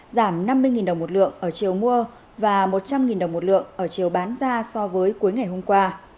giảm năm mươi đồng một lượng ở chiều mua và một trăm linh đồng một lượng ở chiều bán ra so với cuối ngày hôm qua